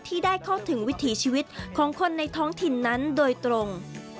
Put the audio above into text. ที่ได้เข้าถึงวิถีชีวิตของคนในท้องถิ่นนั้นโดยตรง